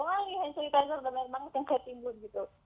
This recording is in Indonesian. udah banyak banget yang saya timbul gitu